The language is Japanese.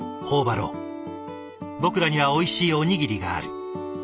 僕らにはおいしいおにぎりがある。